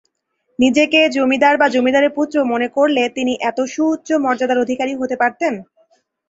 নিজেকে জমিদার বা জমিদারের পুত্র মনে করলে তিনি এত সুউচ্চ মর্যাদার অধিকারী হতে পারতেন?